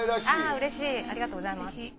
うれしいありがとうございます。